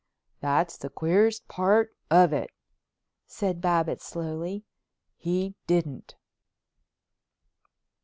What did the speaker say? "That's the queerest part of it," said Babbitts slowly, "he didn't."